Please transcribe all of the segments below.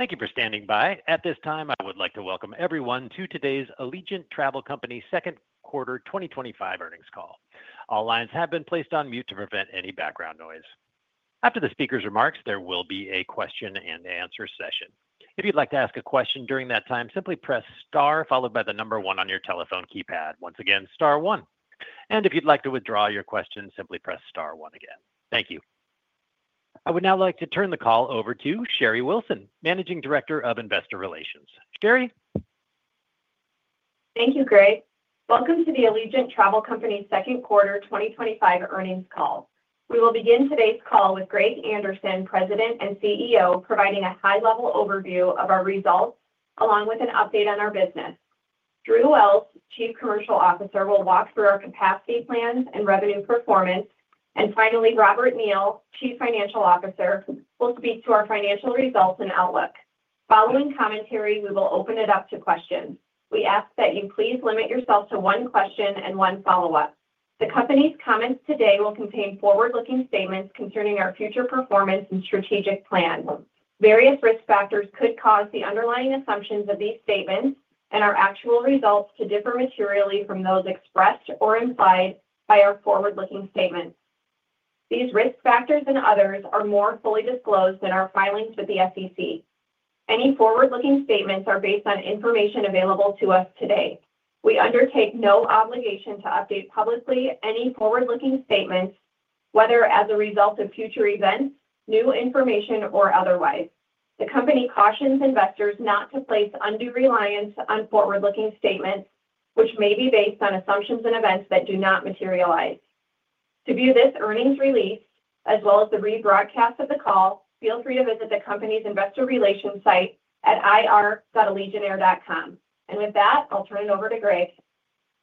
Thank you for standing by. At this time, I would like to welcome everyone to today's Allegiant Travel Company's Second Quarter 2025 Earnings Call. All lines have been placed on mute to prevent any background noise. After the speaker's remarks, there will be a question and answer session. If you'd like to ask a question during that time, simply press star followed by the number one on your telephone keypad. Once again, star one. If you'd like to withdraw your question, simply press star one again. Thank you. I would now like to turn the call over to Sherry Wilson, Managing Director of Investor Relations. Sherry. Thank you, Greg. Welcome to the Allegiant Travel Company Second Quarter 2025 Earnings Call. We will begin today's call with Greg Anderson, President and CEO, providing a high-level overview of our results along with an update on our business. Drew Wells, Chief Commercial Officer, will walk through our capacity plans and revenue performance, and finally Robert Neal, Chief Financial Officer, will speak to our financial results and outlook. Following commentary, we will open it up to questions. We ask that you please limit yourself to one question and one follow-up. The company's comments today will contain forward-looking statements concerning our future performance and strategic plan. Various risk factors could cause the underlying assumptions of these statements and our actual results to differ materially from those expressed or implied by our forward-looking statements. These risk factors and others are more fully disclosed in our filings with the SEC. Any forward-looking statements are based on information available to us today. We undertake no obligation to update publicly any forward-looking statements, whether as a result of future events, new information, or otherwise. The company cautions investors not to place undue reliance on forward-looking statements, which may be based on assumptions and events that do not materialize. To view this earnings release as well as the rebroadcast of the call, feel free to visit the company's investor relations site at ir.allegiantair.com. With that, I'll turn it over to Greg.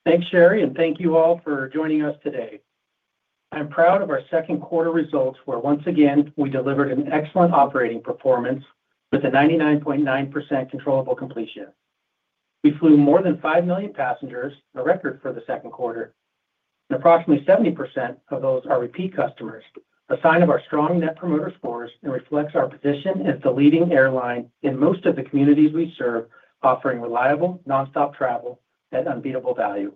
Thanks Sherry and thank you all for joining us today. I'm proud of our second quarter results where once again we delivered an excellent operating performance with a 99.9% controllable completion. We flew more than 5 million passengers, a record for the second quarter, and approximately 70% of those are repeat customers, a sign of our strong net promoter scores and reflects our position as the leading airline in most of the communities we serve, offering reliable nonstop travel at unbeatable value.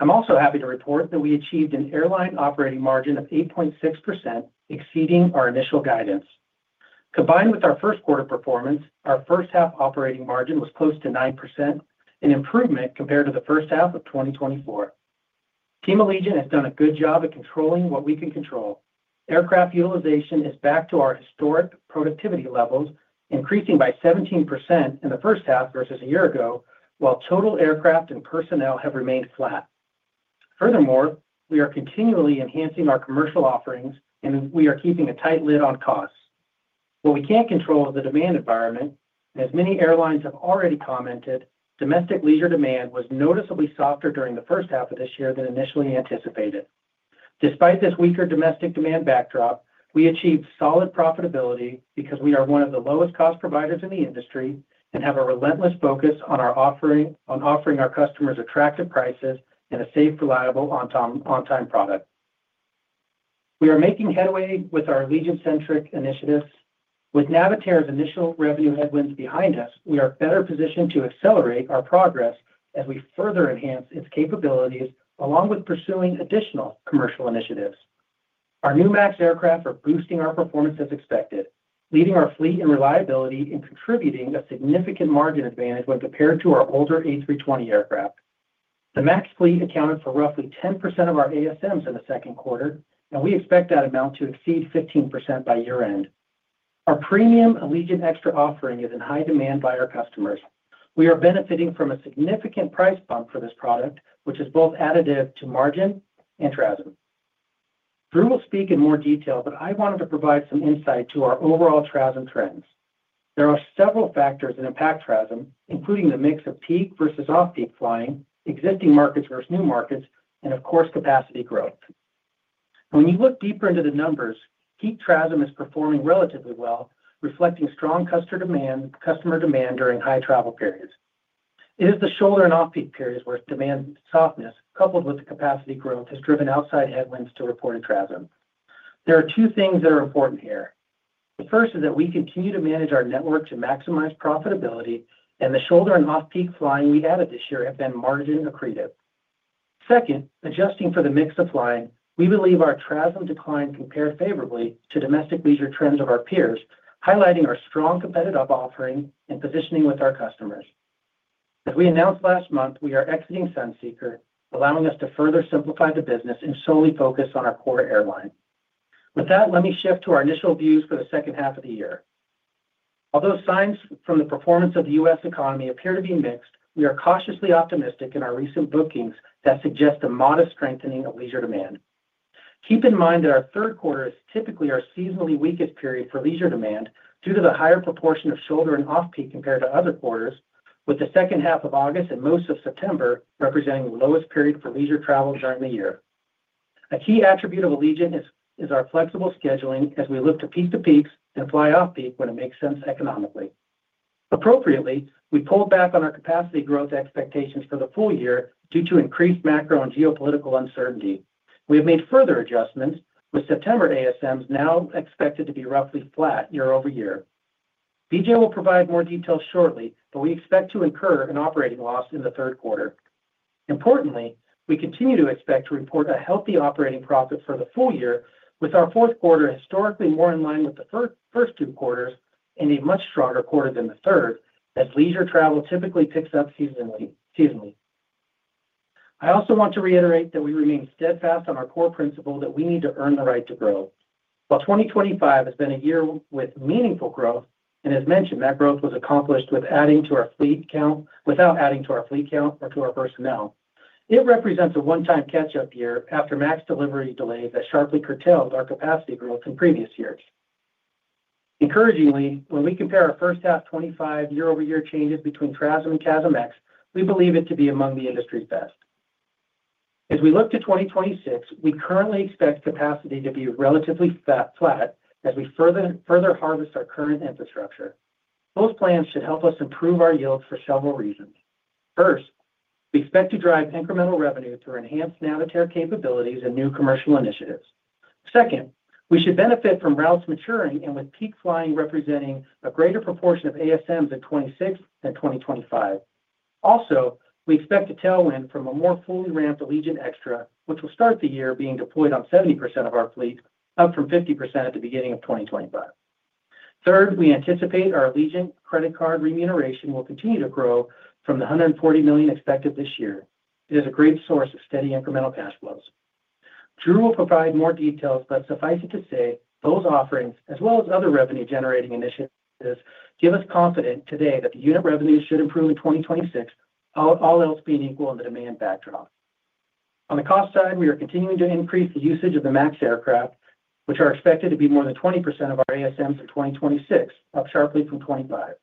I'm also happy to report that we achieved an airline operating margin of 8.6%, exceeding our initial guidance. Combined with our first quarter performance, our first half operating margin was close to 9%, an improvement compared to the first half of 2024. Team Allegiant has done a good job of controlling what we can control. Aircraft utilization is back to our historic productivity levels, increasing by 17% in the first half versus a year ago, while total aircraft and personnel have remained flat. Furthermore, we are continually enhancing our commercial offerings and we are keeping a tight lid on costs. What we can't control is the demand environment. As many airlines have already commented, domestic leisure demand was noticeably softer during the first half of this year than initially anticipated. Despite this weaker domestic demand backdrop, we achieved solid profitability. Because we are one of the lowest cost providers in the industry and have a relentless focus on offering our customers attractive prices and a safe, reliable on time product, we are making headway with our Allegiant-centric initiatives. With Navitaire's initial revenue headwinds behind us, we are better positioned to accelerate our progress as we further enhance its capabilities. Along with pursuing additional commercial initiatives, our new Boeing 737 MAX aircraft are boosting our performance as expected, leading our fleet in reliability and contributing a significant margin advantage when compared to our older A320 aircraft. The MAX fleet accounted for roughly 10% of our ASMs in the second quarter and we expect that amount to exceed 15% by year end. Our premium Allegiant Extra offering is in high demand by our customers. We are benefiting from a significant price bump for this product which is both additive to margin and TRASM. Drew will speak in more detail, but I wanted to provide some insight to our overall TRASM trends. There are several factors that impact TRASM including the mix of peak versus off-peak flying, existing markets versus new markets, and of course, capacity growth. When you look deeper into the numbers, peak TRASM is performing relatively well, reflecting strong customer demand during high travel periods. It is the shoulder and off-peak periods where demand softness coupled with capacity growth has driven outside headwinds to reported TRASM. There are two things that are important here. The first is that we continue to manage our network to maximize profitability, and the shoulder and off-peak flying we've added this year have been margin accretive. Second, adjusting for the mix of flying, we believe our TRASM decline compares favorably to domestic leisure trends of our peers, highlighting our strong competitive offering and positioning with our customers. We announced last month we are exiting Sunseeker, allowing us to further simplify the business and solely focus on our core airline. With that, let me shift to our initial views for the second half of the year. Although signs from the performance of the U.S. economy appear to be mixed, we are cautiously optimistic in our recent bookings that suggest a modest strengthening of leisure demand. Keep in mind that our third quarter is typically our seasonally weakest period for leisure demand due to the higher proportion of shoulder and off-peak compared to other quarters, with the second half of August and most of September representing the lowest period for leisure travel during the year. A key attribute of Allegiant is our flexible scheduling as we live to piece to piece and apply off-peak when it makes sense economically. Appropriately, we pulled back on our capacity growth expectations for the full year due to increased macro and geopolitical uncertainty. We have made further adjustments with September ASMs now expected to be roughly flat year over year. BJ will provide more details shortly, but we expect to incur an operating loss in the third quarter. Importantly, we continue to expect to report a healthy operating profit for the full year, with our fourth quarter historically more in line with the first two quarters and a much stronger quarter than the third as leisure travel typically picks up seasonally. I also want to reiterate that we remain steadfast on our core principle that we need to earn the right to grow. While 2025 has been a year with meaningful growth and as mentioned that growth was accomplished without adding to our fleet count or to our personnel, it represents a one-time catch-up year after MAX delivery delay that sharply curtailed our capacity growth in previous years. Encouragingly, when we compare our first half 2025 year-over-year changes between TRASM and CASM-X, we believe it to be among the industry's best. As we look to 2026, we currently expect capacity to be relatively flat as we further harvest our current infrastructure. Those plans should help us improve our yields for several reasons. First, we expect to drive incremental revenue through enhanced Navitaire capabilities and new commercial initiatives. Second, we should benefit from routes maturing and with peak flying representing a greater proportion of ASMs at 2026 and 2025. Also, we expect a tailwind from a more fully ramped Allegiant Extra, which will start the year being deployed on 70% of our fleet, up from 50% at the beginning of 2025. Third, we anticipate our Allegiant credit card remuneration will continue to grow from the $140 million expected this year. It is a great source of steady incremental cash flows. Drew will provide more details, but suffice it to say those offerings as well as other revenue-generating initiatives give us confidence today that the unit revenues should improve in 2026, all else being equal on the demand backdrop. On the cost side, we are continuing to increase the usage of the MAX aircraft, which are expected to be more than 20% of our ASM for 2026, up sharply from 2025.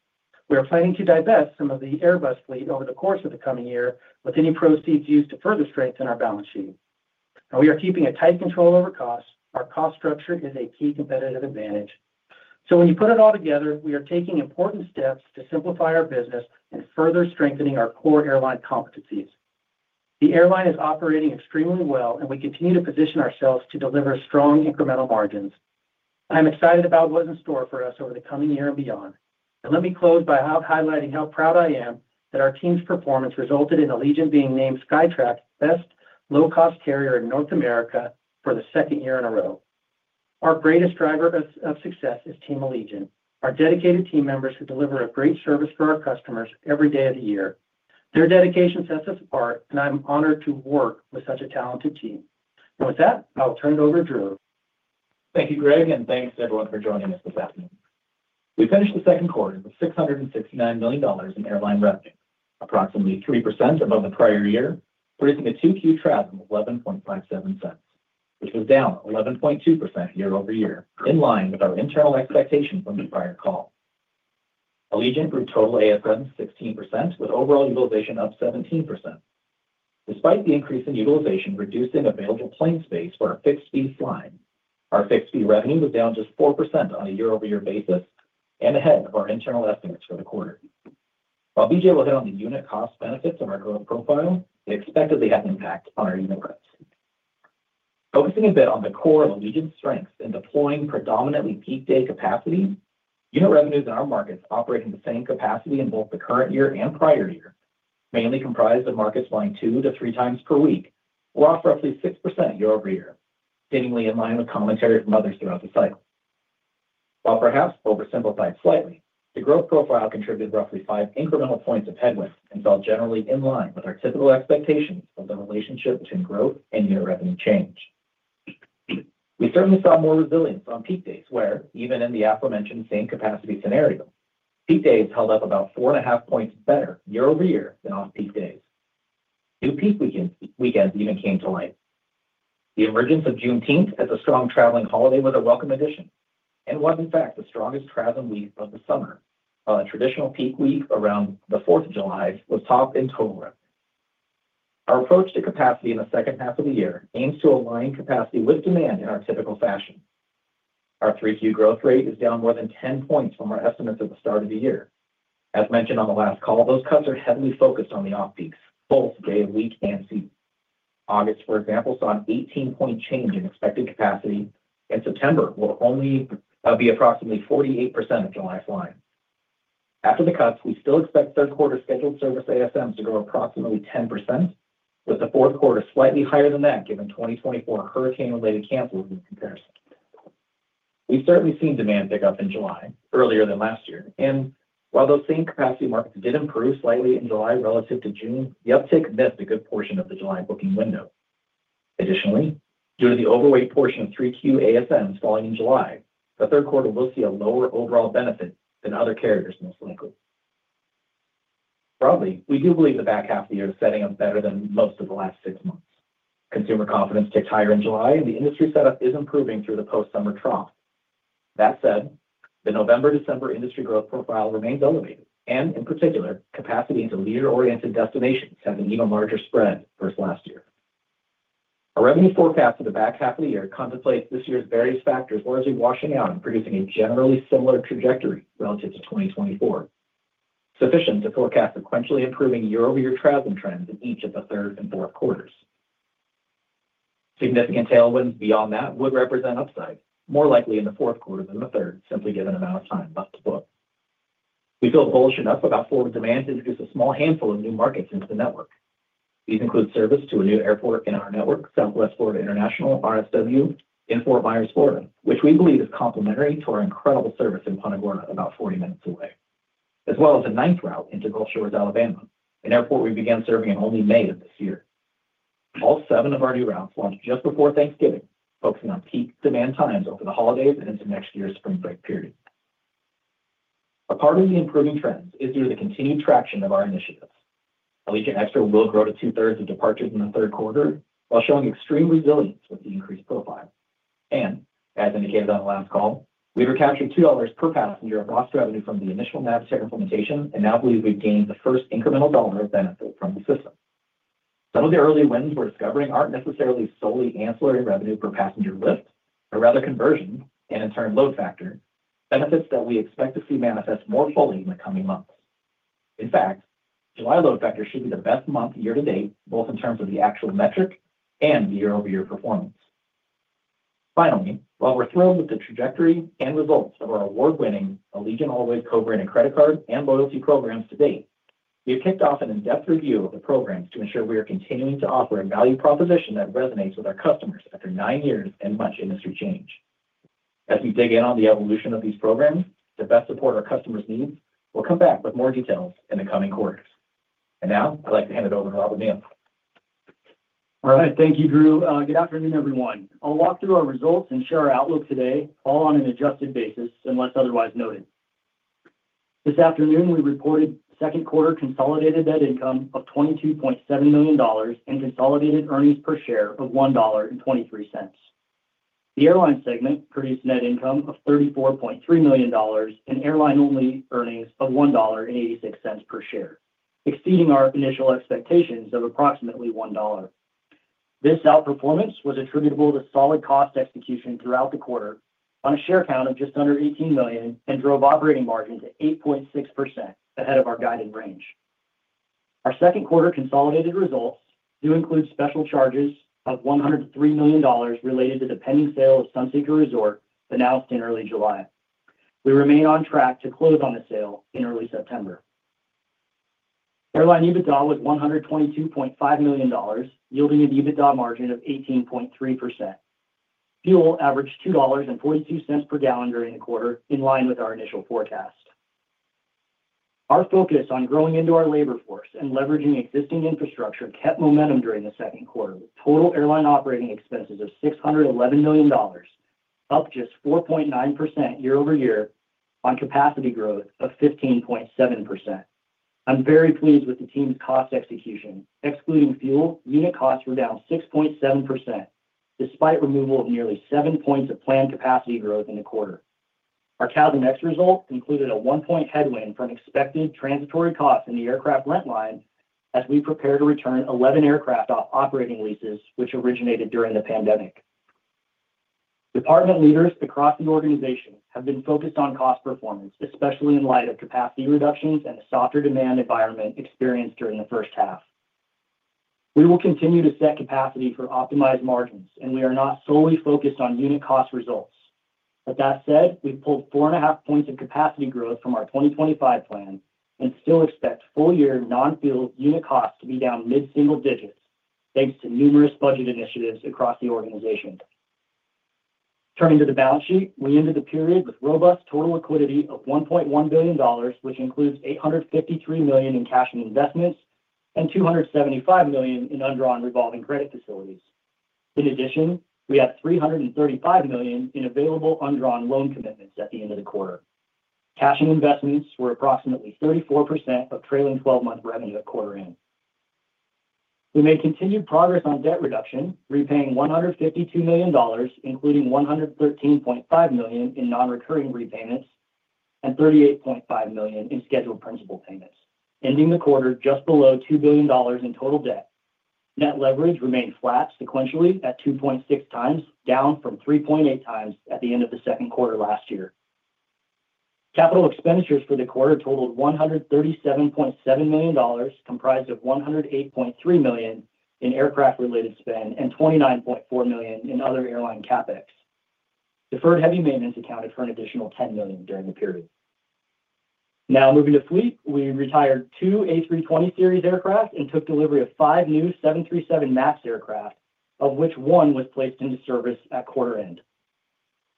We are planning to divest some of the Airbus fleet over the course of the coming year with any proceeds used to further strengthen our balance sheet. We are keeping a tight control over costs. Our cost structure is a key competitive advantage. When you put it all together, we are taking important steps to simplify our business and further strengthening our core airline competencies. The airline is operating extremely well and we continue to position ourselves to deliver strong incremental margins. I am excited about what's in store for us over the coming year and beyond, and let me close by highlighting how proud I am that our team's performance resulted in Allegiant being named Skytrax Best Low Cost Carrier in North America for the second year in a row. Our greatest driver of success is Team Allegiant, our dedicated team members who deliver a great service for our customers every day of the year. Their dedication sets us apart and I'm honored to work with such a talented team. With that, I'll turn it over to Drew. Thank you, Greg, and thanks to everyone for joining us this afternoon. We finished the second quarter with $669 million in airline revenue, approximately 3% above the prior year, producing a 2Q TRASM of 11.57. This was down 11.2% year over year, in line with our internal expectations from the prior call. Allegiant grew total ASMs 16% with overall utilization up 17%. Despite the increase in utilization reducing available plane space for our fixed fee slide, our fixed fee revenue was down just 4% on a year over year basis and ahead of our internal estimates for the quarter. While BJ will hit on the unit cost benefits of our growth profile, the expectedly net impact on our unit credits focusing a bit on the core of Allegiant's strengths in deploying predominantly peak day capacity, unit revenues in our markets operating the same capacity in both the current year and prior year, mainly comprised of markets flying 2 to 3 times per week, are off roughly 6% year over year, seemingly in line with commentary from others throughout the cycle. While perhaps oversimplified slightly, the growth profile contributed roughly 5 incremental points of headwinds and fell generally in line with our typical expectation of the relationship between growth and unit revenue change. We certainly saw more resilience on peak days where even in the aforementioned same capacity scenario, peak days held up about four and a half points better year-over-year than off peak days. New peak weekends even came to light. The emergence of Juneteenth as a strong traveling holiday was a welcome addition and was in fact the strongest traveling week of the summer. While a traditional peak week around the 4th of July was top in total run, our approach to capacity in the second half of the year aims to align capacity with demand in our typical fashion. Our 3Q growth rate is down more than 10 points from our estimates at the start of the year. As mentioned on the last call, those cuts are heavily focused on the off-peaks, both day of week and season. August, for example, saw an 18 point change in expected capacity and September will only be approximately 48% of July flying. After the cuts, we still expect third quarter scheduled service ASMs to grow approximately 10% with the fourth quarter slightly higher than that given 2024 hurricane-related camp. We've certainly seen demand pick up in July earlier than last year, and while those same capacity market did improve slightly in July relative to June, the uptake missed a good portion of the July booking window. Additionally, due to the overweight portion of third quarter ASMs falling in July, the third quarter will see a lower overall benefit than other carriers, most likely. Broadly, we do believe the back half of the year is setting up better than most of the last six months. Consumer confidence ticked higher in July and the industry setup is improving through the post summer trough. That said, the November-December industry growth profile remains elevated and in particular capacities of leisure oriented destinations have an even larger spread versus last year. Our revenue forecast for the back half of the year contemplate this year's various factors largely washing out and producing a generally similar trajectory relative to 2024, sufficient to forecast sequentially improving year over year traffic trends in each of the third and fourth quarters. Significant tailwind beyond that would represent upside more likely in the fourth quarter than the third, simply given amount of time left to book. We feel bullish enough about Florida demand to introduce a small handful of new markets into the network. These include service to a new airport in our network, Southwest Florida International RSW in Fort Myers, Florida, which we believe is complementary to our incredible service in Punta Gorda about 40 minutes away, as well as a ninth route into Gulf Shores, Alabama, an airport we began serving in only May of this year. All seven of our new routes launched just before Thanksgiving, focusing on peak demand times over the holidays and some next year's spring break period. A part of the improving trend is due to the continued traction of our initiatives. Allegiant Extra will grow to 2/3rd of departures in the third quarter while showing extreme resilience with the increased profile. As indicated on the last call, we recaptured $2 per passenger of lost revenue from the initial Navitaire implementation and now believe we gained the first incremental dollar of benefit from the system. Some of the early wins we're discovering aren't necessarily solely ancillary revenue per passenger lift or rather conversion and in turn load factor benefits that we expect to see manifest more fully in the coming months. In fact, July load factor should be the best month year to date, both in terms of the actual metric and the year over year performance. Finally, while we're thrilled with the trajectory and results of our award winning Allegiant Allways co-branded credit card and loyalty programs to date, we have kicked off an in depth review of the programs to ensure we are continuing to offer a value proposition that resonates with our customers after nine years and much industry change. As we dig in on the evolution of these programs to best support our customers' need, we'll come back with more details in the coming quarters. Now I'd like to hand it over to Robert Neal. Thank you, Drew. Good afternoon everyone. I'll walk through our results and share our outlook today, all on an adjusted basis unless otherwise noted. This afternoon we reported second quarter consolidated net income of $22.7 million and consolidated earnings per share of $1.23. The airline segment produced net income of $34.3 million and airline only earnings of $1.86 per share, exceeding our initial expectations of approximately $1. This outperformance was attributable to solid cost execution throughout the quarter on a share count of just under 18 million and drove operating margin to 8.6%, ahead of our guided range. Our second quarter consolidated results do include special charges of $103 million related to the pending sale of Sunseeker Resort announced in early July. We remain on track to close on the sale in early September. Airline EBITDA was $122.5 million, yielding an EBITDA margin of 18.3%. Fuel averaged $2.42 per gallon during the quarter, in line with our initial forecast. Our focus on growing into our labor force and leveraging existing infrastructure kept momentum during the second quarter with total airline operating expenses of $611 million, up just 4.9% year-over-year on capacity growth of 15.7%. I'm very pleased with the team's cost execution. Excluding fuel, unit costs were down 6.7% despite removal of nearly 7 points of planned capacity growth in the quarter. Our CASM-X result included a one point headwind for an expected transitory cost in the aircraft rent line as we prepare to return 11 aircraft off operating leases which originated during the pandemic. Department leaders across the organization have been focused on cost performance, especially in light of capacity reductions and the softer demand environment experienced during the first half. We will continue to set capacity for optimized margins, and we are not solely focused on unit cost results. That said, we pulled 4.5 points of capacity growth from our 2025 plan and still expect full year non-fuel unit costs to be down mid-single digits thanks to numerous budget initiatives across the organization. Turning to the balance sheet, we ended the period with robust total liquidity of $1.1 billion, which includes $853 million in cash and investments and $275 million in undrawn revolving credit facilities. In addition, we have $335 million in available undrawn loan commitments. At the end of the quarter, cash and investments were approximately 34% of trailing twelve-month revenue at quarter end. We made continued progress on debt reduction, repaying $152 million including $113.5 million in non-recurring repayments and $38.5 million in scheduled principal payments, ending the quarter just below $2 billion in total debt. Net leverage remained flat sequentially at 2.6x, down from 3.8x at the end of the second quarter last year. Capital expenditures for the quarter totaled $137.7 million, comprised of $108.3 million in aircraft-related spend and $29.4 million in other airline CapEx. Deferred heavy maintenance accounted for an additional $10 million during the period. Now moving to fleet, we retired two A320 series aircraft and took delivery of five new 737 MAX aircraft, of which one was placed into service at quarter end.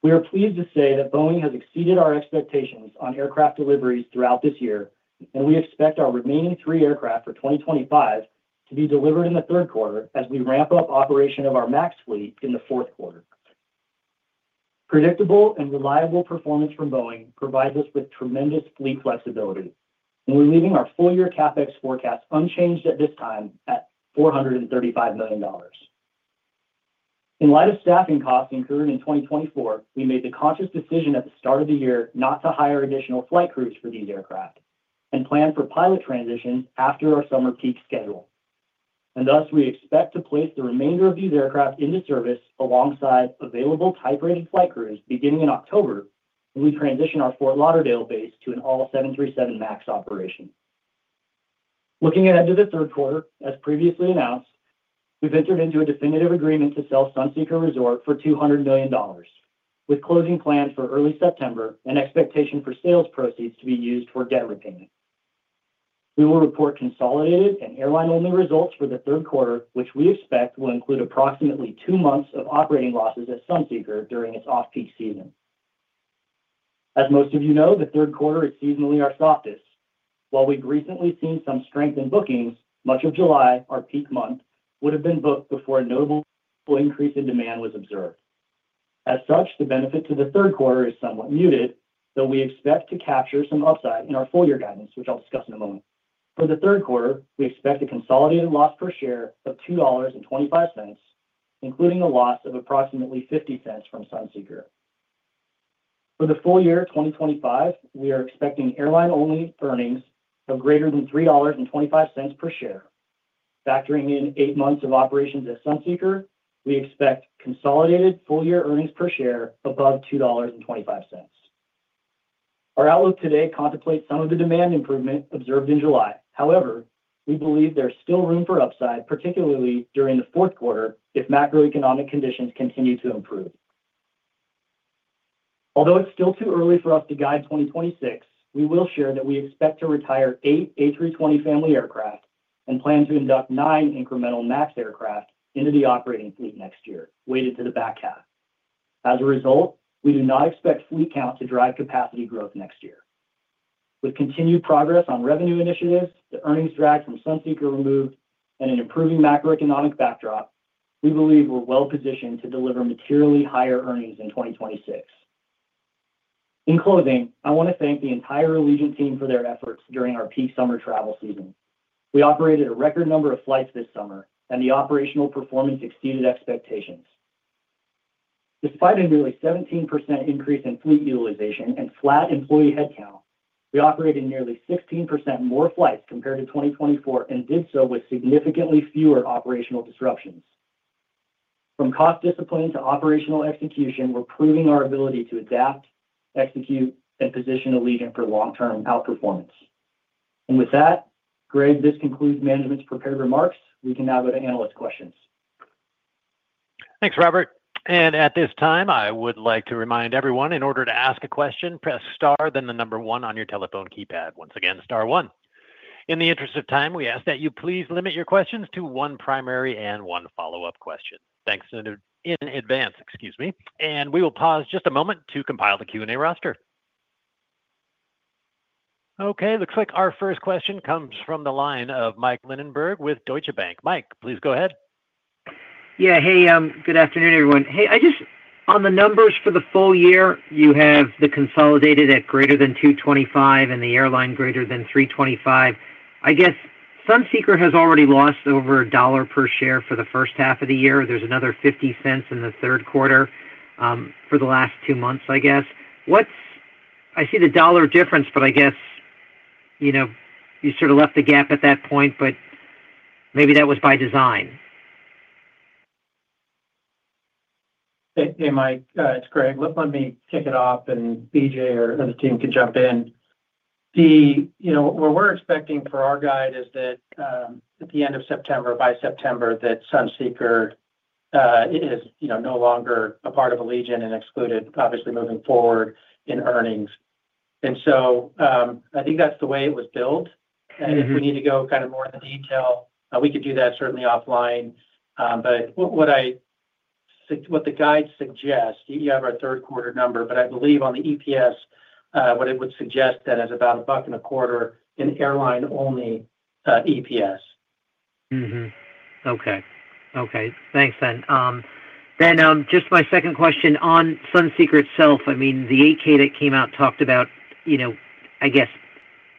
We are pleased to say that Boeing has exceeded our expectations on aircraft deliveries throughout this year, and we expect our remaining three aircraft for 2025 to be delivered in the third quarter as we ramp up operation of our MAX fleet in the fourth quarter. Predictable and reliable performance from Boeing provides us with tremendous fleet flexibility, and we're leaving our full year CapEx forecast unchanged at this time at $435 million. In light of staffing costs incurred in 2024, we made the conscious decision at the start of the year not to hire additional flight crews for these aircraft and plan for pilot transitions after our summer peak schedule, and thus we expect to place the remainder of these aircraft into service alongside available type rating flight crews beginning in October. In October, we transition our Fort Lauderdale base to an all 737 MAX operation. Looking ahead to the third quarter, as previously announced, we entered into a definitive agreement to sell Sunseeker Resort for $200 million with closing plans for early September and expectation for sales proceeds to be used for debt repayment. We will report consolidated and airline-only results for the third quarter, which we expect will include approximately two months of operating losses at Sunseeker during its off-peak season. As most of you know, the third quarter is seasonally our softest. While we've recently seen some strength in bookings, much of July, our peak month, would have been booked before a notable increase in demand was observed. As such, the benefit to the third quarter is somewhat muted, though we expect to capture some upside in our full year guidance, which I'll discuss in a moment. For the third quarter, we expect a consolidated loss per share of $2.25, including a loss of approximately $0.50 from Sunseeker. For the full year 2025, we are expecting airline-only earnings of greater than $3.25 per share. Factoring in eight months of operations at Sunseeker, we expect consolidated full year earnings per share above $2.25. Our outlook today contemplates some of the demand improvement observed in July. However, we believe there's still room for upside, particularly during the fourth quarter if macroeconomic conditions continue to improve. Although it's still too early for us to guide 2026, we will share that we expect to retire eight A320 family aircraft and plan to induct nine incremental MAX aircraft into the operating fleet next year, weighted to the back half. As a result, we do not expect fleet count to drive capacity growth next year. With continued progress on revenue initiatives, the earnings drag from Sunseeker removed, and an improving macroeconomic backdrop, we believe we're well positioned to deliver materially higher earnings in 2026. In closing, I want to thank the entire Allegiant team for their efforts during our peak summer travel season. We operated a record number of flights this summer and the operational performance exceeded expectations. Despite a nearly 17% increase in fleet utilization and flat employee headcount, we operated nearly 16% more flights compared to 2024 and did so with significantly fewer operational disruptions. From cost discipline to operational execution, we're proving our ability to adapt, execute, and position Allegiant for long-term outperformance. With that, Greg, this concludes management's prepared remarks. We can now go to analyst questions. Thanks, Robert. At this time I would like to remind everyone, in order to ask a question, press star, then the number one on your telephone keypad. Once again, star one. In the interest of time, we ask that you please limit your questions to one primary and one follow-up question. Thanks in advance. Excuse me. We will pause just a moment to compile the Q&A roster. Okay, looks like our first question comes from the line of Mike Linenberg with Deutsche Bank. Mike, please go ahead. Yeah. Hey, good afternoon, everyone. Hey. Just on the numbers for the full year, you have the consolidated at greater than $2.25 and the airline greater than $3.25. I guess Sunseeker has already lost over $1 per share for the first half of the year. There's another $0.50 in the third quarter for the last two months. I guess what's—I see the dollar difference, but I guess, you know, you sort of left the gap at that point. Maybe that was by design. Hey, Mike, it's Greg. Let me kick it off and BJ or the team could jump in. What we're expecting for our guide is that at the end of September, by September, that Sunseeker is no longer a part of Allegiant and excluded obviously moving forward in earnings. I think that's the way it was built. If we need to go kind of more into detail, we could do that certainly offline. What the guide suggests, you have our third quarter number, but I believe on the EPS what it would suggest is about a buck and a quarter in airline-only EPS. Okay. Okay, thanks then. Then, just my second question on Sunseeker itself. I mean the 8K that came out talked about, you know, I guess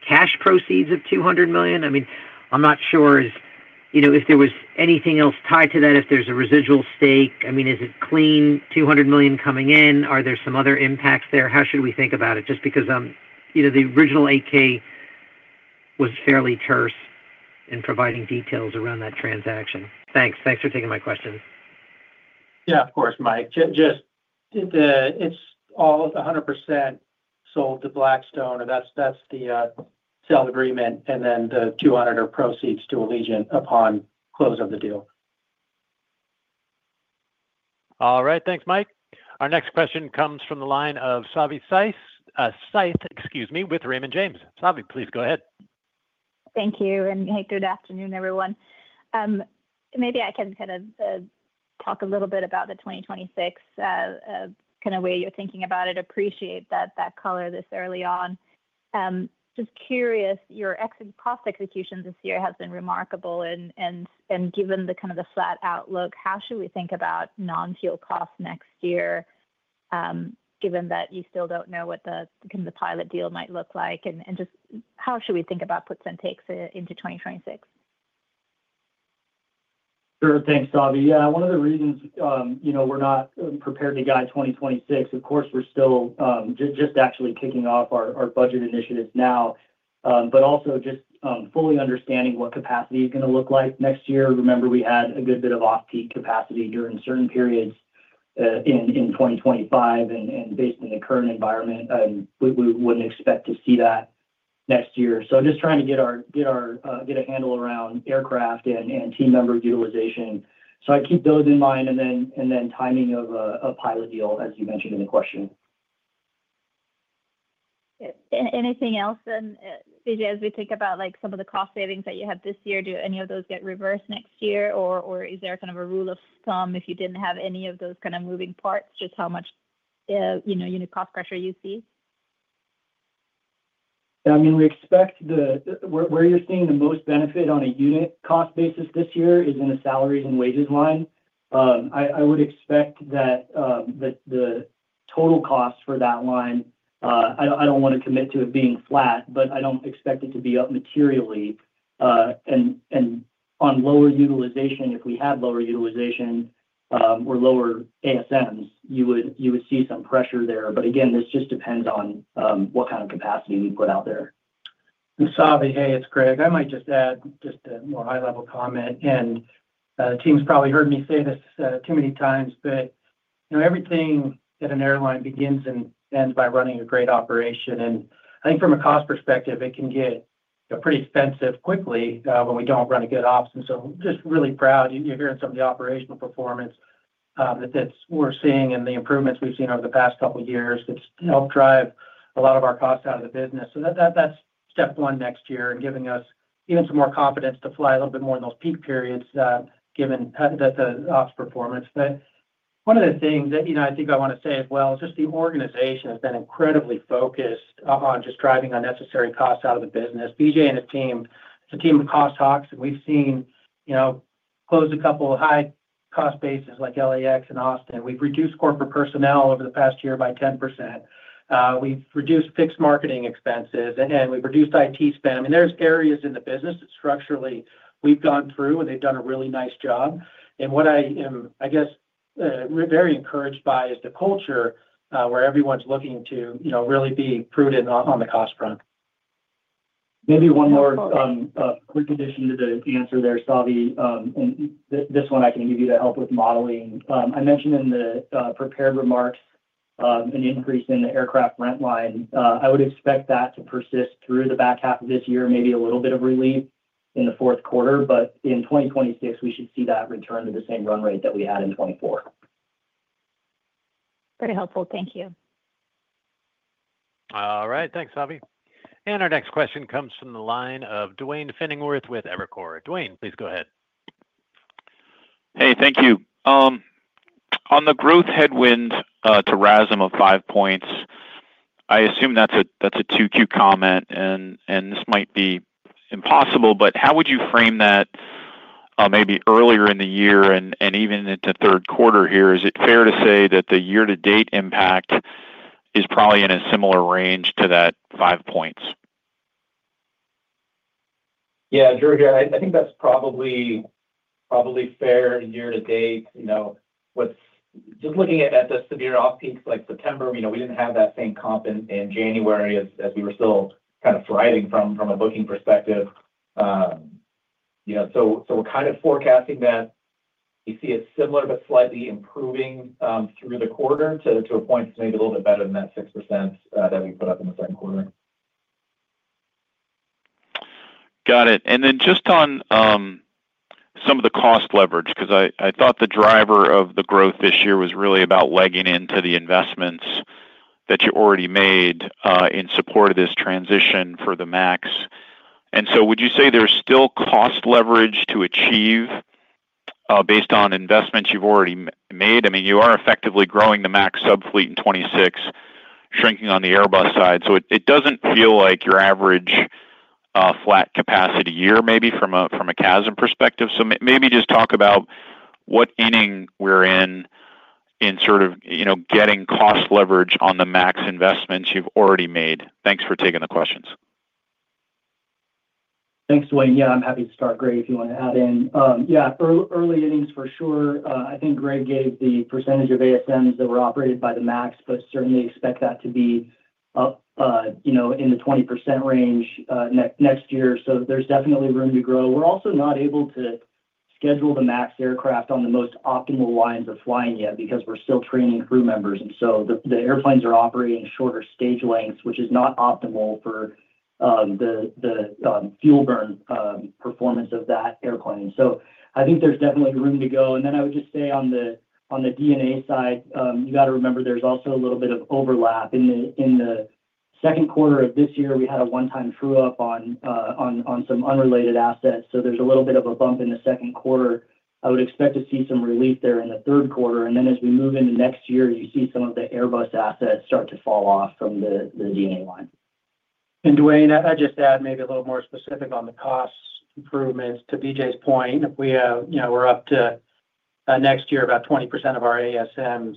cash proceeds of $200 million. I'm not sure if there was anything else tied to that. If there's a residual stake, I mean, is it clean $200 million coming in? Are there some other impacts there? How should we think about it? Just because, you know, the original 8K was fairly terse in providing details around that transaction. Thanks. Thanks for taking my question. Yeah, of course, Mike. It's all 100% sold to Blackstone and that's the sale agreement and then the $200 million are proceeds to Allegiant upon close of the deal. All right, thanks, Mike. Our next question comes from the line of Savi Syth with Raymond James. Savi, please go ahead. Thank you and good afternoon everyone. Maybe I can kind of talk a little bit about the 2026 kind of way you're thinking about it. Appreciate that color this early on. Just curious, your cost execution this year has been remarkable. Given the kind of the flat outlook, how should we think about non-fuel costs next year? Given that you still don't know what the pilot deal might look like, how should we think about puts and takes into 2026? Sure. Thanks, Davi. Yeah, one of the reasons we're not prepared to guide 2026, of course we're still just actually kicking off our budget initiatives now, but also just fully understanding what capacity is going to look like next year. Remember we had a good bit of off peak capacity during certain periods in 2025, and based on the current environment we wouldn't expect to see that. I'm just trying to get a handle around aircraft and team member utilization. Keep those in mind, and then timing of a pilot yield as you mentioned in the question. Anything else? As we think about some of the cost savings that you have this year, do any of those get reversed next year, or is there kind of a rule of thumb if you did not have any of those moving parts, just how much unit cost pressure you see? I mean we expect the where you're seeing the most benefit on a unit cost basis this year is in the salaries and wages line. I would expect that the total cost for that line, I don't want to commit to it being flat, but I don't expect it to be up materially and on lower utilization. If we have lower utilization or lower ASMs, you would see some pressure there. Again, this just depends on what kind of capacity we put out there. Savi. Hey, it's Greg. I might just add just a more high-level comment and team's probably heard me say this too many times, but everything at an airline begins and ends by running a great operation. I think from a cost perspective it can get pretty expensive quickly when we don't run a good ops. I'm really proud you're hearing some of the operational performance that we're seeing and the improvements we've seen over the past couple years that's helped drive a lot of our costs out of the business. That's step one next year and giving us even some more confidence to fly a little bit more in those peak periods, given that the OPS performance. One of the things that I think I want to say as well is just the organization has been incredibly focused on just driving unnecessary costs out of the business. BJ and his team, the team of cost hawks, and we've seen, you know, closed a couple of high-cost bases like LAX and Austin. We've reduced corporate personnel over the past year by 10%. We've reduced fixed marketing expenses and we've reduced IT spend. There are areas in the business that structurally we've gone through and they've done a really nice job. What I am, I guess, very encouraged by is the culture where everyone's looking to, you know, really be prudent on the cost front. Maybe one more quick addition to the answer there, Savi. This one I can give you to help with modeling. I mentioned in the prepared remarks an increase in the aircraft rent line. I would expect that to persist through the back half of this year, maybe a little bit of relief in the fourth quarter, but in 2026 we should see that return to the same run rate that we had in 2024. Very helpful, thank you. All right, thanks, Svi. Our next question comes from the line of Duane Pfennigwerth with Evercore. Duane, please go ahead. Hey, thank you. On the growth headwind to RASM of 5 points, I assume that's a 2Q comment and this might be impossible, but how would you frame that maybe earlier in the year and even into third quarter here? Is it fair to say that the year to date impact is probably in a similar range to that 5 points? Yeah, Duane, I think that's probably fair. Year to date, just looking at the severe offseason like September, we didn't have that same comp in January as we were still kind of thriving from a booking perspective, so we're kind of forecasting that you see it similar but slightly improving through the quarter to a point, maybe a little bit better than that 6% that we put up in the. Got it. On some of the cost leverage, because I thought the driver of the growth this year was really about legging into the investments that you already made in support of this transition for the MAX. Would you say there's still cost leverage to achieve based on investments you've already made? I mean, you are effectively growing the MAX sub fleet in 2026, shrinking on the Airbus side. It doesn't feel like your average flat capacity year, maybe from a CASM perspective. Maybe just talk about what inning we're in in sort of getting cost leverage on the MAX investments you've already made. Thanks for taking the questions. Thanks, Duane. I'm happy to start, Greg, if you want to add in. For early innings, for sure. I think Greg gave the percentage of ASMs that were operated by the MAX, but certainly expect that to be up in the 20% range next year. There's definitely room to grow. We're also not able to schedule the MAX aircraft on the most optimal lines of flying yet because we're still training crew members and the airplanes are operating shorter stage lengths, which is not optimal for the fuel burn performance of that airplane. I think there's definitely room to go. I would just stay on the DNA side. You gotta remember there's also a little bit of overlap in the second quarter of this year. We had a one-time true up on some unrelated assets. There's a little bit of a bump in the second quarter. I would expect to see some relief there in the third quarter. As we move into next year, you see some of the Airbus assets start to fall off from the DNA line. Duane, I'd just add maybe a little more specific on the cost improvements to BJ's point. We're up to next year about 20% of our ASM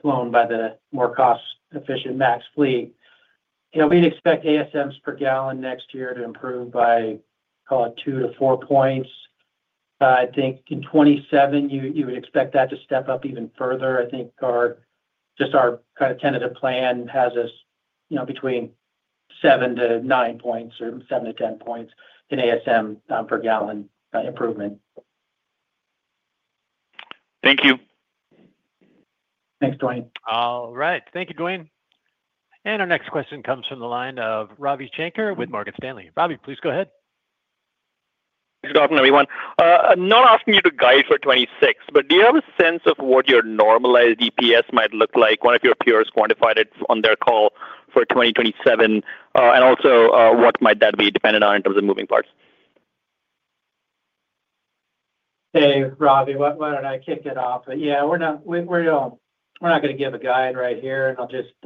flown by the more cost efficient MAX fleet. We'd expect ASMs per gallon next year to improve by, call it, 2% to 4%. I think in 2027 you would expect that to step up even further. I think our tentative plan has us between 7-9 points or 7-10 points in ASM per gallon improvement. Thank you. Thanks, Duane. All right, thank you, Duane. Our next question comes from the line of Ravi Shankar with Morgan Stanley. Ravi, please go ahead. Good afternoon, everyone. Not asking you to guide for 2026, but do you have a sense of what your normalized EPS might look like? One of your peers quantified it on their call for 2027. Also, what might that be dependent on in terms of moving parts? Hey Ravi, why don't I kick it off? We're not going to give a guide right here.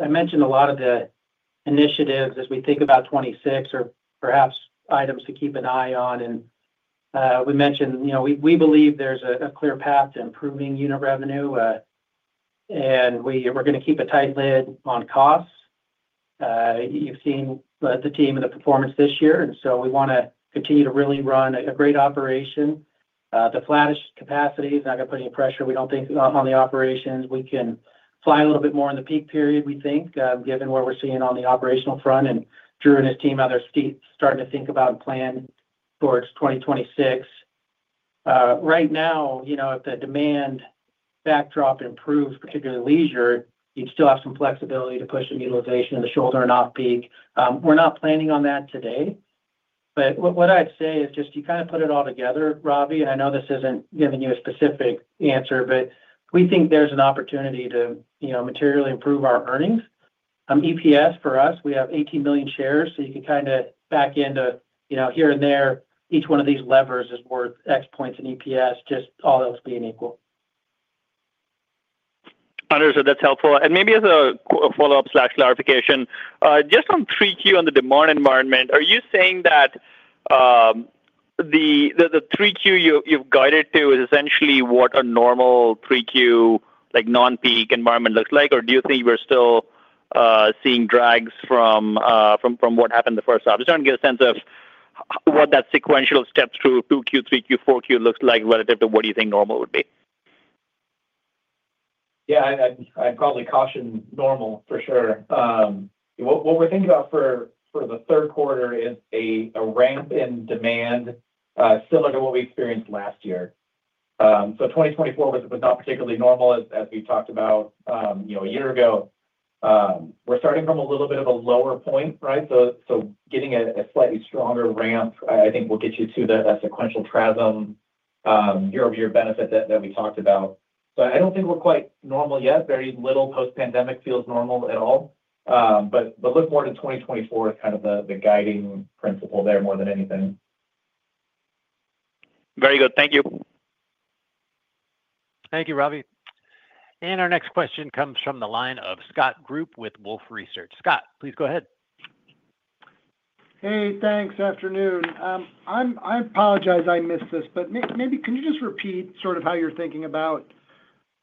I mentioned a lot of the initiatives as we think about 2026 or perhaps items to keep an eye on. We mentioned we believe there's a clear path to improving unit revenue and we're going to keep a tight lid on costs. You've seen the team and the performance this year and we want to continue to really run a great operation. The flattish capacity is not going to put any pressure, we don't think, on the operations. We can fly a little bit more in the peak period. We think, given what we're seeing on the operational front and Drew and his team, others are starting to think about and plan towards 2026 right now. If the demand backdrop improves, particularly leisure, you'd still have some flexibility to push some utilization in the shoulder, not peak. We're not planning on that today, but what I'd say is just you kind of put it all together. Ravi, I know this isn't giving you a specific answer, but we think there's an opportunity to materially improve our earnings. EPS for us, we have 18 million shares, so you could kind of back into, here and there, each one of these levers is worth X points in EPS, just all else being equal. Understood, that's helpful. Maybe as a follow up clarification, just on 3Q on the demand environment, are you saying that the 3Q you've guided to is essentially what a normal 3Q non-peak environment looks like or do you think we're still seeing drags from what happened the first half? Just trying to get a sense of what that sequential step through 2Q, 3Q, 4Q looks like relative to what you think normal would be. I'd probably caution normal for sure. What we're thinking about for the third quarter is a ramp in demand similar to what we experienced last year. 2024 was not particularly normal. As we talked about a year ago, we're starting from a little bit of a lower point. Getting a slightly stronger ramp I think will get you to that sequential TRASM year-over-year benefit that we talked about. I don't think we're quite normal yet. Very little post-pandemic feels normal at all. Looking forward to 2024 is kind of the guiding principle there more than anything. Very good, thank you. Thank you, Ravi. Our next question comes from the line of Scott Group with Wolfe Research. Scott, please go ahead. Hey, thanks. Afternoon. I apologize I missed this, but maybe can you just repeat sort of how you're thinking about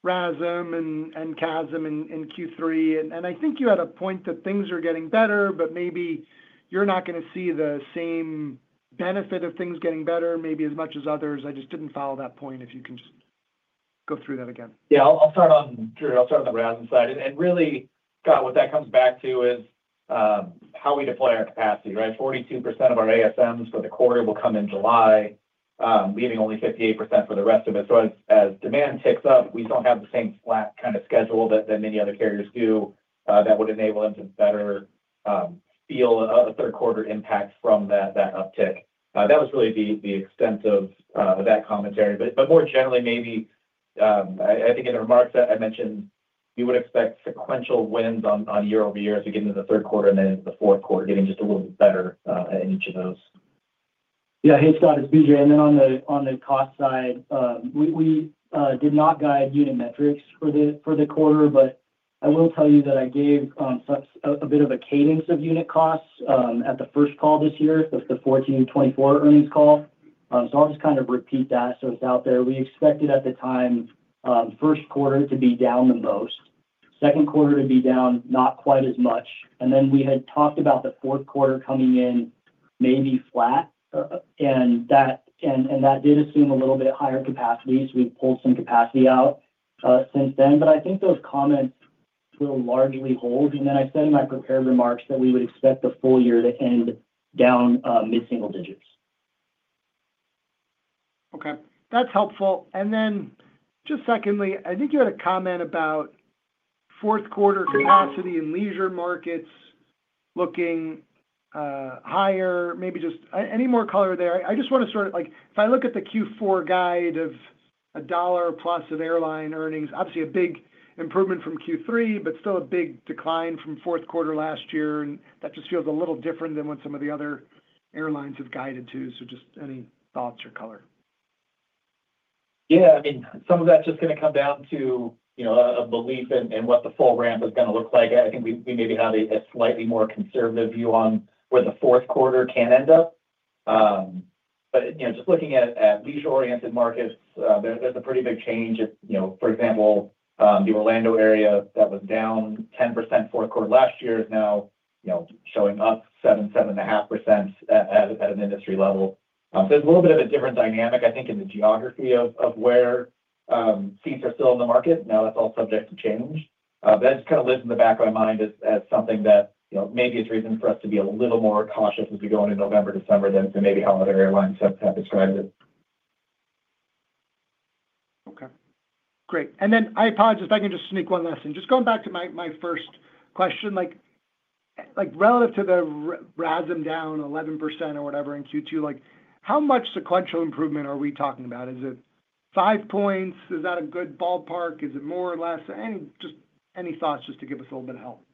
RASM and CASM in Q3 and I think you had a point that things are getting better but maybe you're not going to see the same benefit of things getting better maybe as much as others. I just didn't follow that point. If you can just go through that again. I'll start on the RASM side. Really, Scott, what that comes back to is how we deploy our capacity, right? 42% of our ASMs for the quarter will come in July, leaving only 58% for the rest of it. As demand ticks up, we don't have the same flat kind of schedule that many other carriers do that would enable them to better feel a third quarter impact from that uptick. That was really the extent of that commentary. More generally, maybe, I think in the remarks I mentioned, you would expect sequential wins on year-over-year as we get into the third quarter and then the fourth quarter getting just a little bit better than each of those. Hey, Scott, it's BJ and then on the cost side, we did not guide unit metrics for the quarter, but I will tell you that I gave a bit of a cadence of unit costs at the first call this year, the fourth quarter 2024 earnings call. I'll just kind of repeat that so it's out there. We expected at the time first quarter to be down the most, second quarter to be down not quite as much. We had talked about the fourth quarter coming in maybe flat and that did assume a little bit higher capacity. We've pulled some capacity out since then, but I think those comments will largely hold. I said in my prepared remarks that we would expect the full year that ended with down mid single digits. Okay, that's helpful. Secondly, I think you had a comment about fourth quarter capacity in leisure markets looking higher, maybe just any more color there? I just want to sort of, like, if I look at the Q4 guide of a dollar plus of airline earnings, obviously a big improvement from Q3, but still a big decline from fourth quarter last year. That just feels a little different than what some of the other airlines have guided or just any thoughts or color? Yeah, I mean some of that's just going to come down to a belief in what the full ramp is going to look like. I think we maybe have a slightly more conservative view on where the fourth quarter can end up. Just looking at visual oriented markets, that's a pretty big change. For example, the Orlando area that was down 10% fourth quarter last year, now showing up 7, 7.5% at an industry level. A little bit of a different dynamic, I think, in the geography of where seats are still in the market. That's all subject to change. That just kind of lives in the back of my mind as something that maybe it's reason for us to be a little more cautious as we go into November, December than maybe holiday airlines have described it. Okay, great. I apologize. If I can just sneak one last in. Just going back to my first question, like, relative to the RASM down 11% or whatever in Q2, how much sequential improvement are we talking about? Is it five points? Is that a good ballpark? Is it more or less? Any thoughts just to give us a little bit of help?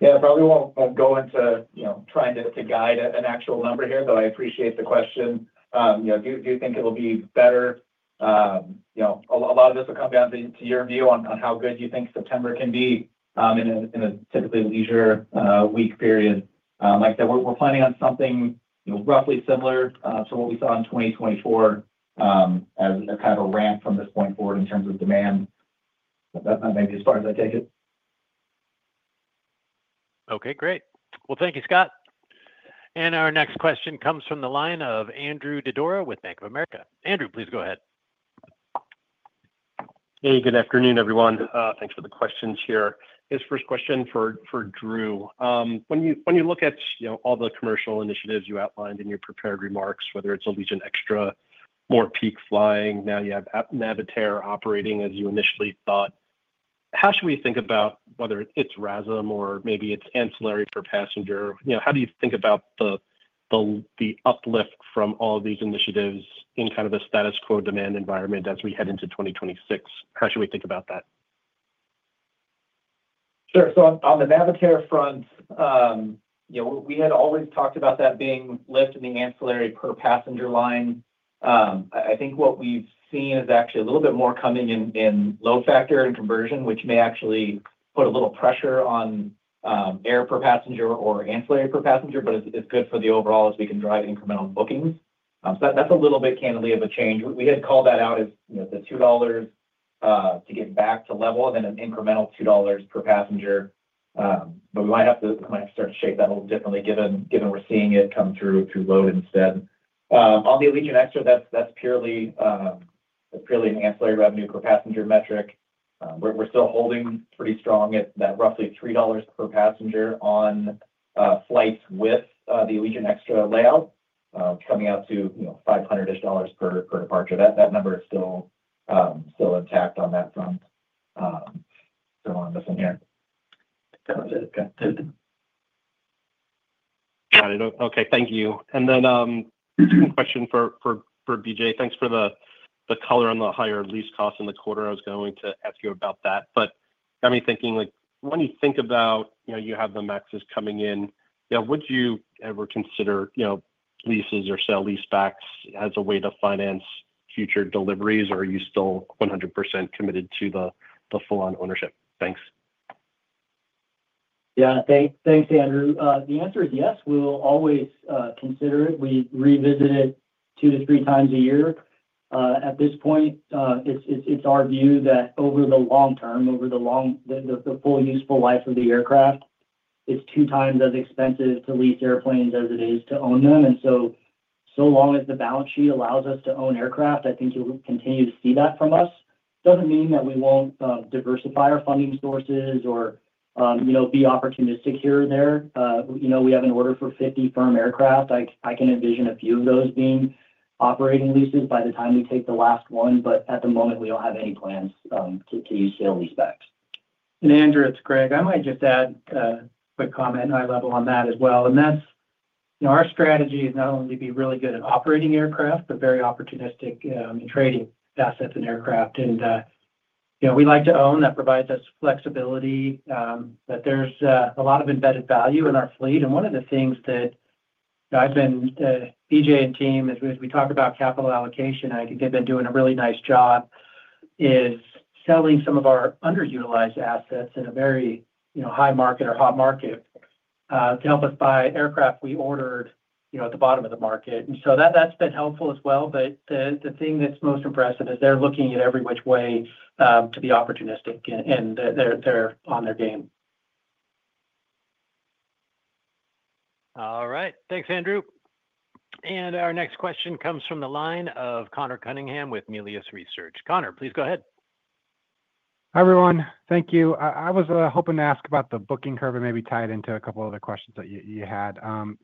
Yeah. Probably won't go into trying to guide an actual number here, though I appreciate the question. Do you think it'll be better? A lot of this will come down to your view on how good you think September can be in a typically leisure week period. Like I said, we're planning on something roughly similar to what we saw in 2024 as a kind of a ramp from this point forward in terms of demand. That may be as far as I take it. Okay, great. Thank you, Scott. Our next question comes from the line of Andrew Didora with Bank of America. Andrew, please go ahead. Hey, good afternoon, everyone. Thanks for the questions here. This first question for Drew, when you look at all the commercial initiatives you outlined in your prepared remarks, whether it's Allegiant Extra, more peak flying, now you have Navitaire operating as you initially thought, how should we think about whether it's RASM or maybe it's ancillary per passenger? How do you think about the uplift from all these initiatives in kind of a status quo demand environment as we head into 2026? How should we think about that? Sure. On the Navitaire front, we had already talked about that being less than the ancillary per passenger line. I think what we've seen is actually a little bit more coming in load factor and conversion, which may actually put a little pressure on air per passenger or ancillary per passenger. It's good for the overall as we can drive incremental bookings. That's a little bit, candidly, of a change. We had to call that out as the $2 to get back to level and then an incremental $2 per passenger. We might have to start to shake that a little differently given we're seeing it come through to load instead. On the Allegiant Extra, that's purely an ancillary revenue per passenger metric. We're still holding pretty strong at roughly $3 per passenger on flights with the Allegiant Extra layout, coming out to $500-ish per departure. That number is still intact on that front. Thank you. Second question for BJ, thanks for the color on the higher lease costs in the quarter. I was going to ask you about that, but got me thinking, when you think about you have the MAXs coming in, would you ever consider leases or sale leasebacks as a way to finance future deliveries, or are you still 100% committed to the full-on ownership? Thanks. Yeah, thanks Andrew. The answer is yes, we will always consider. We revisit it two to three times a year. At this point, it's our view that over the long term, over the full useful life of the aircraft, it's two times as expensive to lease airplanes as it is to own them. So long as the balance sheet allows us to own aircraft, I think you will continue to see that from us. Doesn't mean that we won't diversify our funding sources or be opportunistic here or there. We have an order for 50 firm aircraft. I can envision a few of them on operating leases by the time we take the last one, but at the moment we don't have any plans to use sale leaseback. Andrew, it's Greg. I might just add a quick comment at a high level on that as well. Our strategy is not only to be really good at operating aircraft but very opportunistic trading assets and aircraft. We like to own; that provides us flexibility, but there's a lot of embedded value in our fleet. One of the things that I've been, EJ and team as we talk about capital allocation, I've been doing a really nice job is selling some of our underutilized assets in a very high market or hot market to help us buy aircraft we ordered at the bottom of the market. That's been helpful as well. The thing that's most impressive is they're looking at every which way to be opportunistic and they're on their game. All right, thanks Andrew. Our next question comes from the line of Conor Cunningham with Melius Research. Conor, please go ahead. Hi everyone. Thank you. I was hoping to ask about the booking curve and maybe tie it into a couple other questions that you had. I'm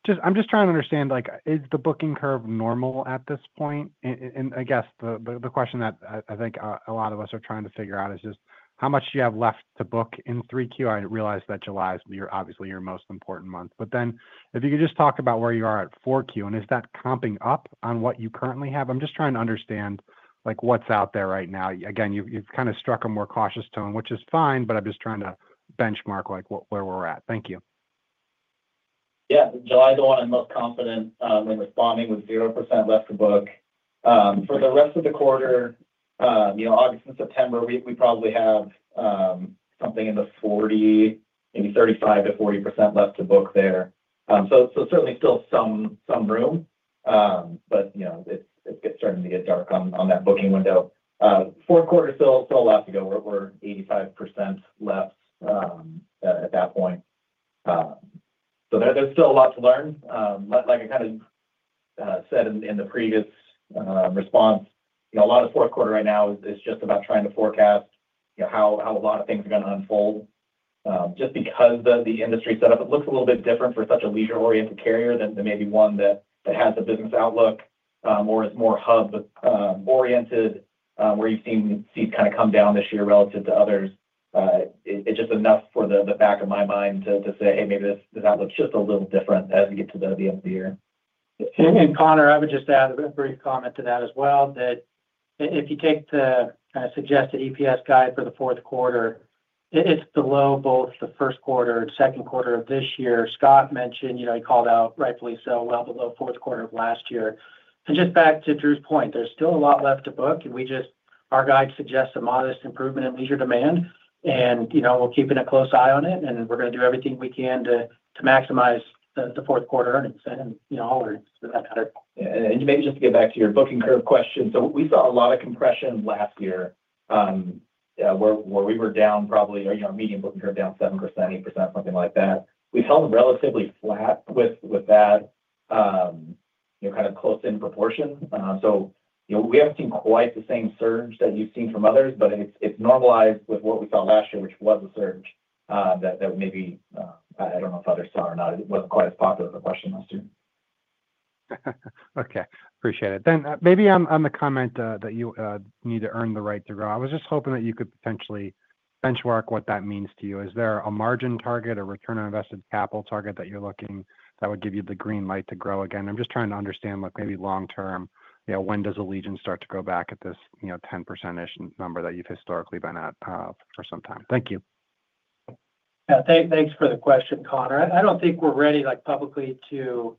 just trying to understand, is the booking curve normal at this point? The question that I think a lot of us are trying to figure out is just how much do you have left to book in 3Q? I realize that July is obviously your most important month, but if you could just talk about where you are at 4Q and is that comping up on what you currently have? I'm just trying to understand what's out there right now. You've kind of struck a more cautious tone, which is fine, but I'm just trying to benchmark where we're at. Thank you. July, the one I'm most confident in responding with 0% left to book for the rest of the quarter. August and September we probably have something in the 35%-40% left to book there, so certainly still some room. It's starting to get dark on that booking window. Fourth quarter, still a lot to go. We're 85% left at that point, so there's still a lot to learn. Like I kind of said in the previous response, a lot of fourth quarter right now is just about trying to forecast how a lot of things are going to unfold just because of the industry setup. It looks a little bit different for such a leisure-oriented carrier than maybe one that has a business outlook or more hub-oriented where you've seen seats kind of come down this year relative to others. It's just enough for the back of my mind to say, hey, maybe this does look just a little different as we get to the end of the year. Conor, I would just add a brief comment to that as well that if you take the suggested EPS guide for the fourth quarter, it's below both the first quarter, second quarter of this year. Scott mentioned, he called out rightfully so well below fourth quarter of last year. Just back to Drew's point, there's still a lot left to book and our guide suggests a modest improvement in leisure demand. We're keeping a close eye on it and we're going to do everything we can to maximize the fourth quarter earnings. Maybe just to get back to your booking curve question, we saw a lot of compression last year where we were down, probably medium booking curve down 7%, 8%, something like that. We felt relatively flat with that kind of close-in proportion. We haven't seen quite the same surge that you've seen from others, but it's normalized with what we saw last year, which was a surge that maybe I don't know if others saw or not. It wasn't quite as popular. Okay, appreciate it. Maybe on the comment that you need to earn the right to grow, I was just hoping that you could potentially benchmark what that means to you. Is there a margin target, a return on invested capital target that you're looking at that would give you the green light to grow again? I'm just trying to understand maybe long term, when does Allegiant start to go back at this 10%-ish number that you've historically been at for some time? Thank you. Thanks for the question, Conor. I don't think we're ready publicly to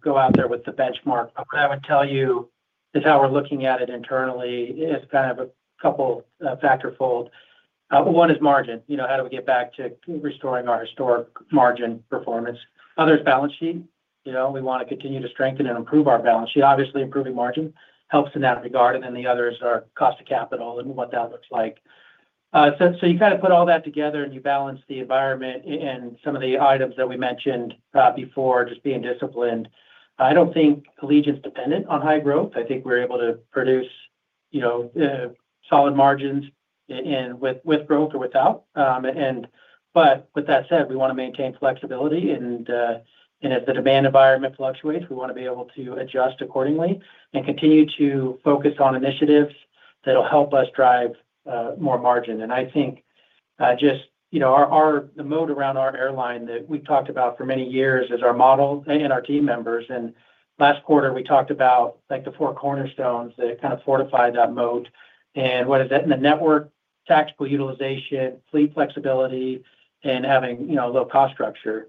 go out there with the benchmark. What I would tell you is how we're looking at it internally. It's kind of a couple factor fold. One is margin. How do we get back to restoring our historic margin performance? Others, balance sheet. We want to continue to strengthen and improve our balance sheet. Obviously, improving margin helps in that regard. The others are cost of capital and what that looks like. You kind of put all that together and you balance the environment and some of the items that we mentioned before, just being disciplined. I don't think Allegiant is dependent on high growth. I think we're able to produce solid margins with growth or without. With that said, we want to maintain flexibility and as the demand environment fluctuates, we want to be able to adjust accordingly and continue to focus on initiatives that'll help us drive more margin. Our moat around our airline that we talked about for many years is our model and our team members, and last quarter we talked about the four cornerstones that kind of fortify that moat and what is that in the network? Tactical utilization, fleet flexibility, and having, you know, low cost structure.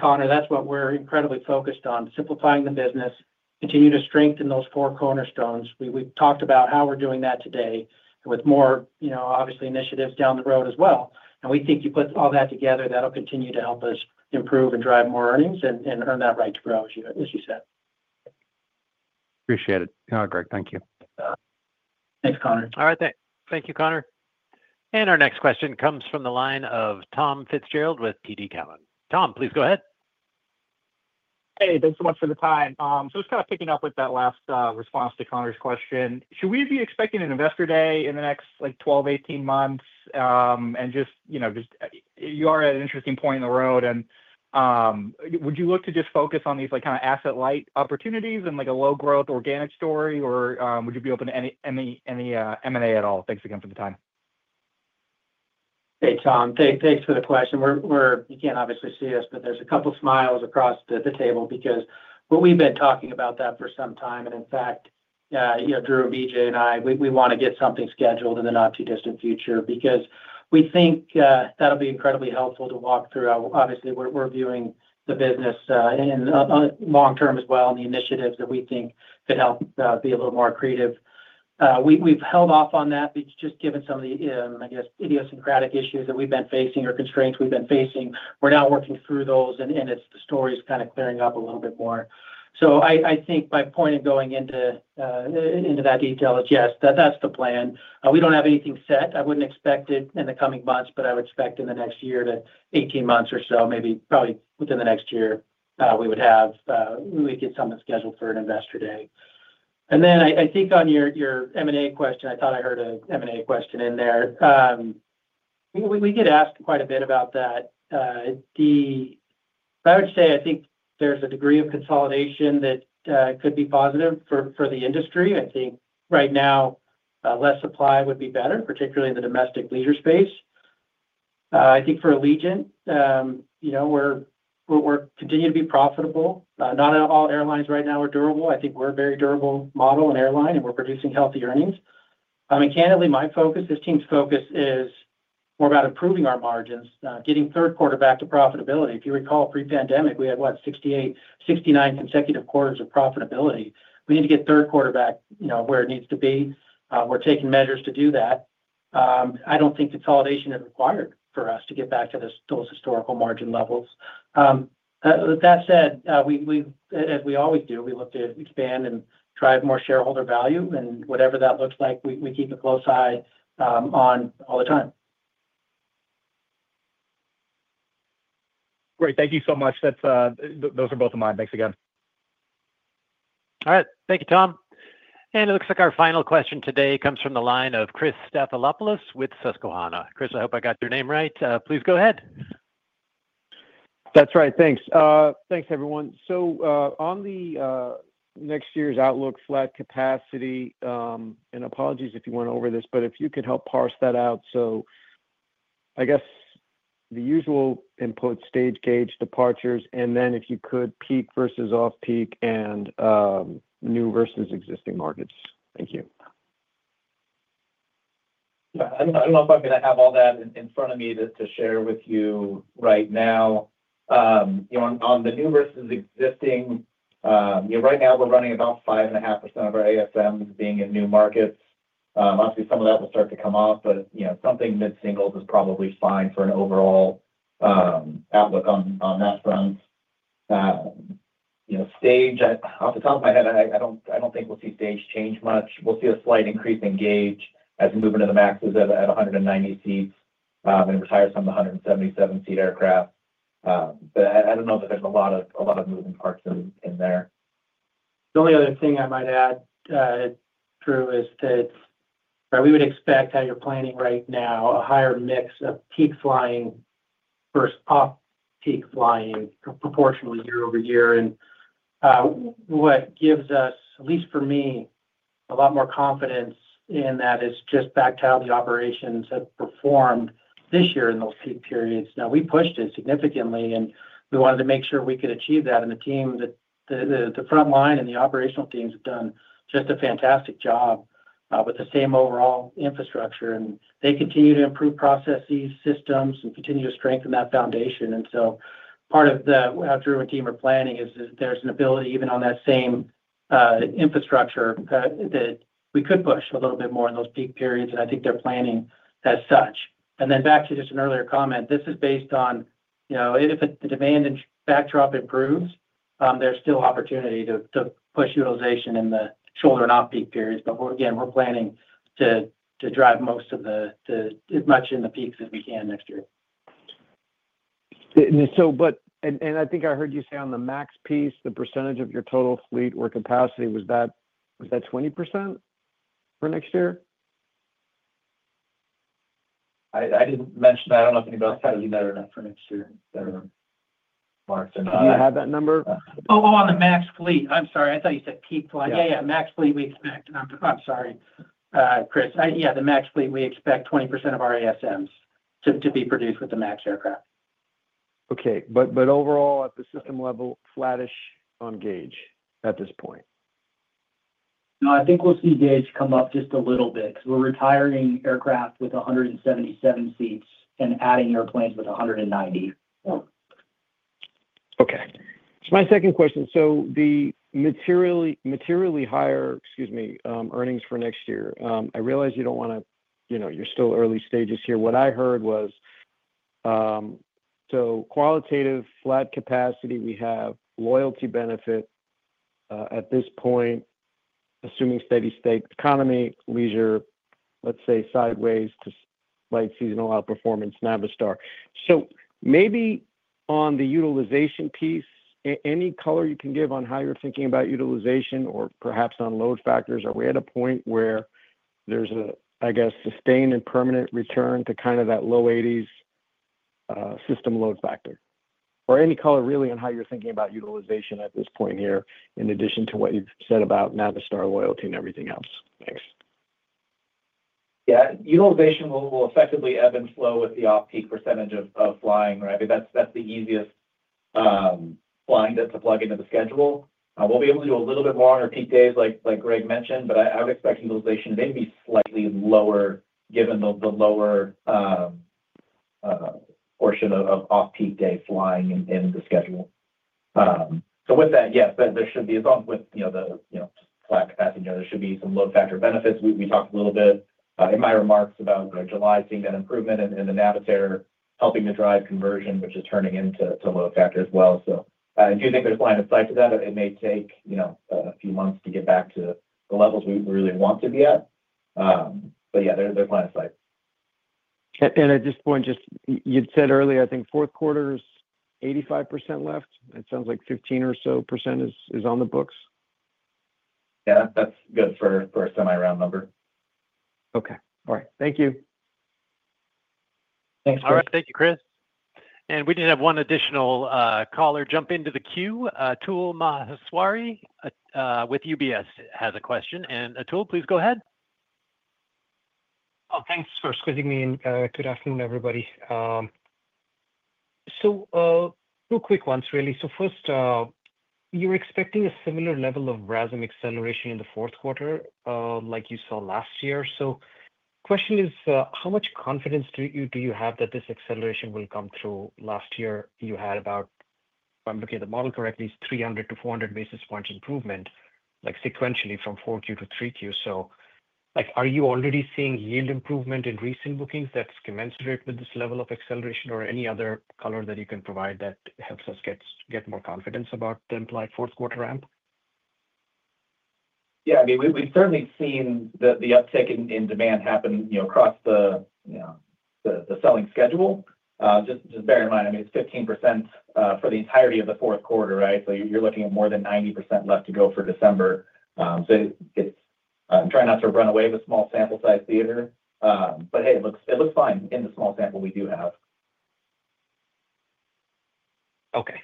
Conor, that's what we're incredibly focused on, simplifying the business. Continue to strengthen those four cornerstones. We talked about how we're doing that today with more, you know, obviously initiatives down the road as well. We think you put all that together, that'll continue to help us improve and drive more earnings and earn that right to grow, as you said. Appreciate it. Thank you. Thanks, Connor. All right, thank you, Connor. Our next question comes from the line of Tom Fitzgerald with TD Cowen. Tom, please go ahead. Hey, thanks so much for the time. It's kind of picking up with that last response to Conor's question. Should we be expecting an investor day in the next, like, 12 to 18 months and just, you know, you are at an interesting point in the road and would you look to just focus on these, like, kind of asset light opportunities and like a low growth organic story, or would you be open to any M&A at all? Thanks again for the time. Hey, Tom, thanks for the question. You can't obviously see us, but there's a couple smiles across the table because we've been talking about that for some time. In fact, you know, Drew and BJ and I, we want to get something scheduled in the not too distant future because we think that'll be incredibly helpful to walk through. Obviously, we're viewing the business in long term as well, and the initiatives that we think could help be a little more accretive. We've held off on that just given some of the, I guess, idiosyncratic issues that we've been facing or constraints we've been facing. We're now working through those and the story's kind of clearing up a little bit more. I think my point of going into that detail is, yes, that's the plan. We don't have anything set. I wouldn't expect it in the coming months, but I would expect in the next year to 18 months or so, maybe probably within the next year we would have something scheduled for an investor day. I think on your M&A question, I thought I heard an M&A question in there. We get asked quite a bit about that. I would say I think there's a degree of consolidation that could be positive for the industry. I think right now less supply would be better, particularly in the domestic leader space. I think for Allegiant, we're continuing to be profitable. Not all airlines right now are durable. I think we're a very durable model and airline and we're producing healthy earnings. Candidly, my focus, this team's focus, is more about improving our margins, getting third quarter back to profitability. If you recall, pre-pandemic, we had what, 68, 69 consecutive quarters of profitability. We need to get third quarter back where it needs to be. We're taking measures to do that. I don't think consolidation is required for us to get back to those historical margin levels. That said, as we always do, we look to expand and drive more shareholder value and whatever that looks like we keep a close eye on all the time. Great. Thank you so much. Those are both of mine. Thanks again. All right, thank you, Tom. It looks like our final question today comes from the line of Chris Stathoulopoulos with Susquehanna. Chris, I hope I got your name right. Please go ahead. That's right. Thanks. Thanks everyone. On the next year's outlook, flat capacity and apologies if you went over this but if you could help parse that out. I guess the usual input stage, gauge, departures, and then if you could, peak versus off-peak and new versus existing markets. Thank you. I love. I'm going to have all that in front of me to share with you right now on the new versus existing. Right now we're running about 5.5% of our available seat miles being in new markets. Obviously some of that will start to come off but something mid singles is probably fine for an overall outlook on that front. Stage, off the top of my head, I don't think we'll see stage change much. We'll see a slight increase in gauge as we move into the MAX at 190 seats when we retire some 177 seat aircraft. I don't know that there's a lot of moving parts in there. The only other thing I might add, Drew, is that we would expect as you're planning right now a higher mix of peak flying versus off-peak flying proportional year over year. What gives us, at least for me, a lot more confidence in that is just back to how the operations have performed this year in those peak periods. We pushed it significantly and we wanted to make sure we could achieve that. The team, the front line, and the operational teams have done just a fantastic job with the same overall infrastructure and they continue to improve processes, systems, and continue to strengthen that foundation. Part of how the team are planning is there's an ability even on that same infrastructure that we could push a little bit more in those peak periods. I think they're planning as such. Back to an earlier comment, this is based on, you know, if the demand and backdrop improves, there's still opportunity to push utilization in the shoulder and off peak periods. Again, we're planning to drive as much in the peaks as we can next year. I think I heard you say on the MAX piece, the percentage of your total fleet or capacity, was that 20% for next year? I didn't mention that. I don't know if anybody had enough for next year. You had that number. Oh, on the MAX fleet. I'm sorry, I thought you said peak flight. Yeah, yeah. MAX fleet, we expect. I'm sorry, Chris. Yeah, the MAX fleet. We expect 20% of our ASMs to be produced with the MAX aircraft. Okay, but overall at the system level, flattish on gauge at this point? No, I think we'll see gauge come up just a little bit because we're retiring aircraft with 177 seats and adding airplanes with 190. Okay, so my second question. The materially, materially higher, excuse me, earnings for next year. I realize you don't want to, you know, you're still early stages here. What I heard was so qualitative. Flat capacity. We have loyalty benefit at this point, assuming steady state economy, leisure, let's say sideways to light seasonal outperformance, Navitaire. Maybe on the utilization piece, any color you can give on how you're thinking about utilization or perhaps on load factors. Are we at a point where there's a, I guess, sustained and permanent return to kind of that low 80s system load factor or any color really on how you're thinking about utilization at this point here, in addition to what you've said about Navitaire, loyalty and everything else. Thanks. Utilization will effectively ebb and flow with the off peak percentage of flying. Right. That's the easiest flying. That's a plug into the schedule. We'll be able to do a little bit longer peak days like Greg mentioned, but I would expect utilization maybe slightly lower given the lower portion of off peak day flying in the schedule. With that, yes, there should be, as long with the flat capacity, there should be some load factor benefits. We talked a little bit in my remarks about July, seeing that improvement and the Navitaire helping to drive conversion, which is turning into load factor as well. Good to have a line of sight to that. It may take a few months to get back to the levels we really want to be at. Yeah, there's their line of sight. At this point, just you'd said earlier, I think fourth quarter's 85% left. It sounds like 15% or so is on the books. Yeah, that's good for a semi round number. Okay. Thank you. Thanks. Thank you, Chris. We did have one additional caller jump into the queue. Atul Maheshwari with UBS has a question. Atul, please go ahead. Oh, thanks for squeezing me in. Good afternoon everybody. Two quick ones really. First, you're expecting a similar level of BRASM acceleration in the fourth quarter like you saw last year. Question is, how much confidence do you have that this acceleration will come through. Last year you had about, I'm looking at the model correctly, 300 to 400 basis points improvement, like sequentially from 4Q to 3Q. Are you already seeing yield improvement in recent bookings that's commensurate with this level of acceleration? Or any other color that you can provide that helps us get more confidence about the implied fourth quarter ramp. I mean we've certainly seen the uptick in demand happening across the selling schedule. Just bear in mind, it's 15% for the entirety of the fourth quarter. Right. You're looking at more than 90% left to go for December. Try not to run away with the small sample size theater. It looks fine in the small sample we do have. Okay.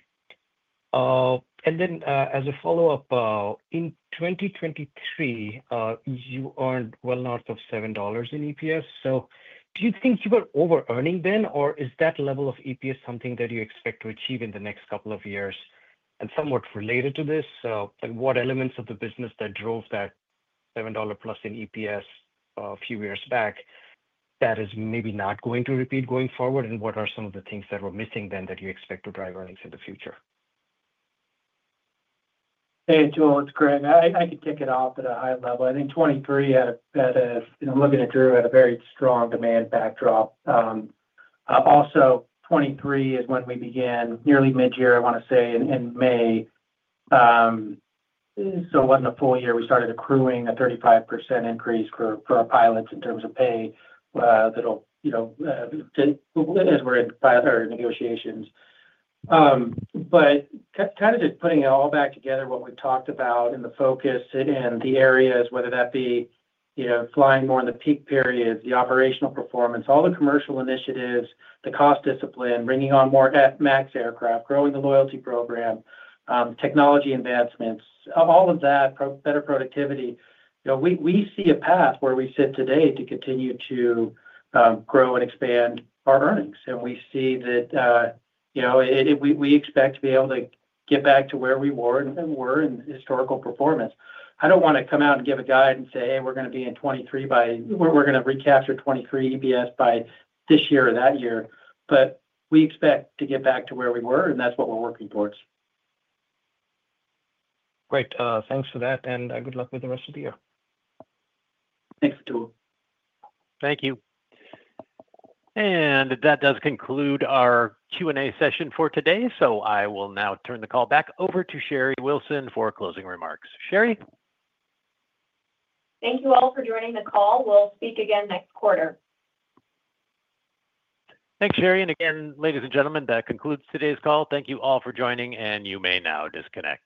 As a follow up, in 2023 you earned well north of $7 in EPS. Do you think you were over earning then or is that level of EPS something that you expect to achieve in the next couple of years? Somewhat related to this, what elements of the business that drove that $7 plus in EPS a few years back that is maybe not going to repeat going forward? What are some of the things that were missing then that you expect to drive earnings in the future? Hey Atul, it's Greg. I could kick it off at a high level. I think 2023 had a, I'm looking at Drew, had a very strong demand backdrop. Also, 2023 is when we began nearly mid year, I want to say in May. On the full year we started accruing a 35% increase for our pilots in terms of pay. That'll, as we're in our negotiations, but kind of just putting it all back together, what we talked about in the focus again, the areas whether that be flying more in the peak period, the operational performance, all the commercial initiatives, the cost discipline, bringing on more MAX aircraft, growing the loyalty program, technology advancements of all of that, better productivity. We see a path where we said today to continue to grow and expand our earnings. We see that we expect to be able to get back to where we were and were in historical performance. I don't want to come out and give a guide and say, hey, we're going to be in 2023 by, we're going to recapture 2023 EPS by this year or that year, but we expect to get back to where we were and that's what we're working towards. Great, thanks for that and good luck with the rest of the year. Thanks. Thank you. That does conclude our Q&A session for today. I will now turn the call back over to Sherry Wilson for closing remarks. Sherry. Thank you all for joining the call. We'll speak again next quarter. Thanks, Sherry. Ladies and gentlemen, that concludes today's call. Thank you all for joining. You may now disconnect.